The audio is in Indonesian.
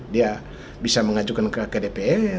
dia bisa mengajukan ke dpr